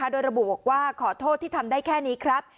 โดยระบุบอกว่าขอโทษที่ทำได้แค่นี้ครับ